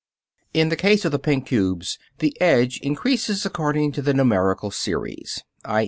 In the case of the pink cubes the edge increases according to the numerical series, _i.